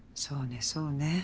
そうねそうね。